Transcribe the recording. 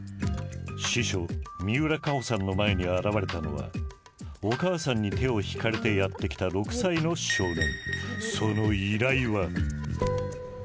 司書三浦佳穂さんの前に現れたのはお母さんに手を引かれてやって来た６歳の少年。